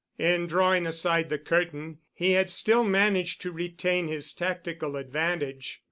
In drawing aside the curtain, he had still managed to retain his tactical advantage.